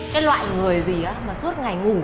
cái loại người gì á mà suốt ngày ngủ chơi game